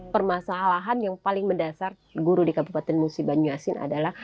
permasalahan yang paling mendasar guru di kabupaten musi banyuasin adalah